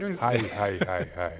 はいはいはいはい。